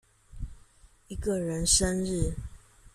一個人生日